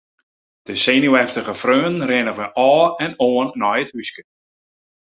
De senuweftige freonen rinne ôf en oan nei it húske.